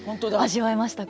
味わえましたか？